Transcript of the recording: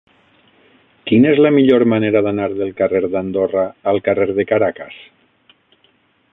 Quina és la millor manera d'anar del carrer d'Andorra al carrer de Caracas?